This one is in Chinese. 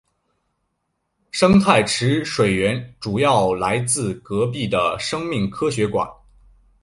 生态池水源主要来自隔壁的生命科学馆。